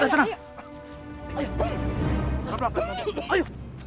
ini tidak bisa dibiarkan